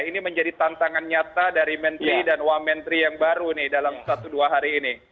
ini menjadi tantangan nyata dari menteri dan wamenteri yang baru nih dalam satu dua hari ini